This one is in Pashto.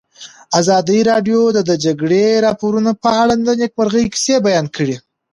ازادي راډیو د د جګړې راپورونه په اړه د نېکمرغۍ کیسې بیان کړې.